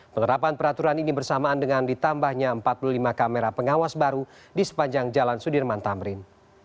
penerapan peraturan ini bersamaan dengan ditambahnya empat puluh lima kamera pengawas baru di sepanjang jalan sudirman tamrin